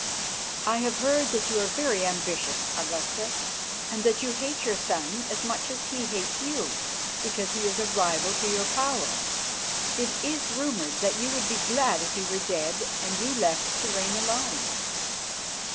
"I have heard that you are very ambitious, Augusta, and that you hate your son as much as he hates you, because he is a rival to your power. It is rumoured that you would be glad if he were dead and you left to reign alone."